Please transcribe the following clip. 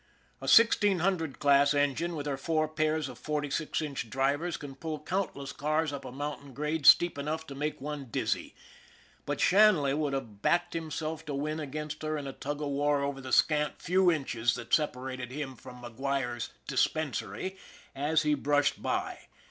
A sixteen hundred class engine with her four pairs of forty six inch drivers can pull countless cars up a mountain grade steep enough to make one dizzy, but Shanley would have backed himself to win against her in a tug of war over the scant few inches that separated him from MacGuire's dispensary as he brushed by.